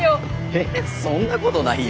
えそんなことないよ。